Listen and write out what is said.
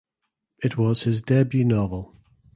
It was his debut novel.